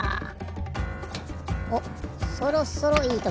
おそろそろいいとこ。